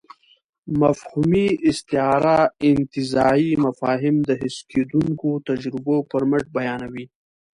مفهومي استعاره انتزاعي مفاهيم د حس کېدونکو تجربو پر مټ بیانوي.